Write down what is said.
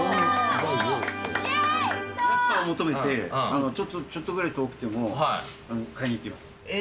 安さを求めて、ちょっとぐらい遠くても買いに行きます。